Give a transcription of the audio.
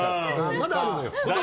まだあるのよ。